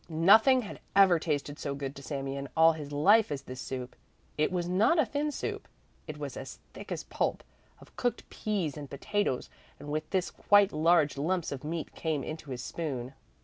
Nothing had ever tasted so good to Sami in all his life as this soup. It was not a thin soup, it was as thick as pulp, of cooked peas and potatoes, and with this quite large lumps of meat came into his spoon.